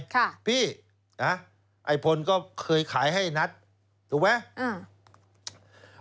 ค่ะพี่ไอ้พลก็เคยขายให้ไอ้นัทถูกไหม